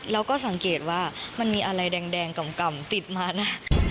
เราก็สังเกตว่ามันมีอะไรแดงกำติดมานะ